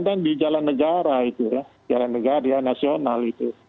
dan di jalan negara jalan negara nasional